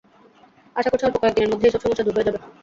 আশা করছি অল্প কয়েক দিনের মধ্যে এসব সমস্যা দূর হয়ে যাবে।